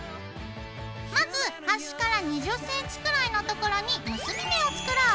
まずはしから２０ｃｍくらいのところに結び目を作ろう。